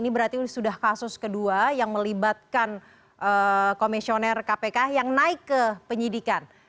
ini berarti sudah kasus kedua yang melibatkan komisioner kpk yang naik ke penyidikan